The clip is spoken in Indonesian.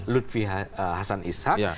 lutfi hasan ishak